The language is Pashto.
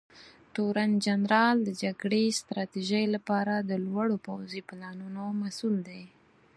تورنجنرال د جګړې ستراتیژۍ لپاره د لوړو پوځي پلانونو مسوول دی.